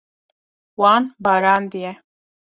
Wan barandiye.